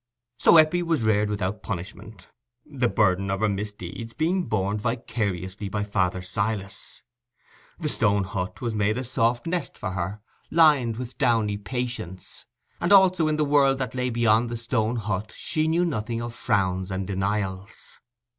So Eppie was reared without punishment, the burden of her misdeeds being borne vicariously by father Silas. The stone hut was made a soft nest for her, lined with downy patience: and also in the world that lay beyond the stone hut she knew nothing of frowns and denials.